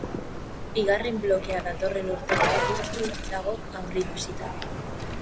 Bigarren blokea datorren urteko urrirako dago aurreikusita.